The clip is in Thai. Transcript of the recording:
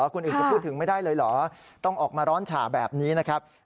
คนอื่นจะพูดถึงไม่ได้เลยเหรอต้องออกมาร้อนฉ่าแบบนี้นะครับ